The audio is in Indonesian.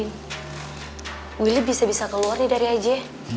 din willy bisa bisa keluar dari aj ya